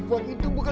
kalau kau turuninku